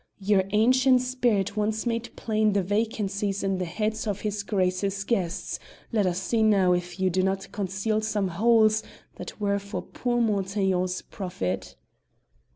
_ your ancient spirit once made plain the vacancies in the heads of his Grace's guests; let us see if now you do not conceal some holes that were for poor Montaiglon's profit."